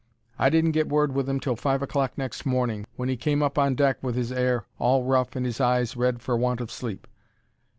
I didn't get word with 'im till five o'clock next morning, when he came up on deck with his 'air all rough and 'is eyes red for want of sleep.